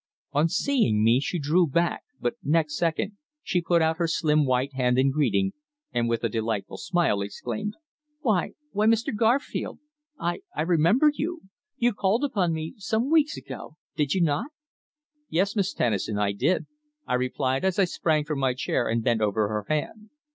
On seeing me she drew back, but next second she put out her slim white hand in greeting, and with a delightful smile, exclaimed: "Why why, Mr. Garfield! I I remember you! You called upon me some weeks ago did you not?" "Yes, Miss Tennison, I did," I replied as I sprang from my chair and bent over her hand.